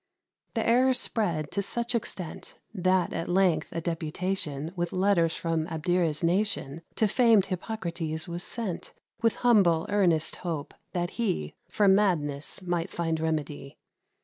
The error spread to such extent, That, at length, a deputation, With letters from Abdera's nation, To famed Hippocrates was sent, With humble, earnest hope that he For madness might find remedy.